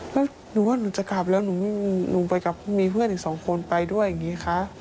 แล้วหนูว่าหนูจะกลับแล้วหนูไปกับมีเพื่อนอีกสองคนไปด้วยอย่างนี้คะ